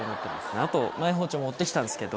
あとマイ包丁持ってきたんですけど。